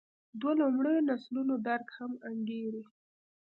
دوو لومړیو نسلونو درک مهم انګېري.